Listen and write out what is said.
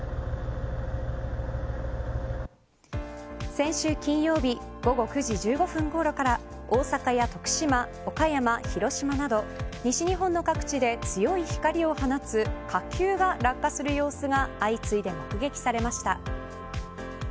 先週、金曜日午後９時１５分ごろから大阪や徳島岡山、広島など西日本の各地で強い光を放つ火球が落下する様子が相次いで目撃されました。